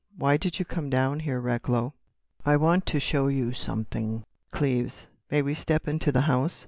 Why did you come down here, Recklow?" "I want to show you something, Cleves. May we step into the house?"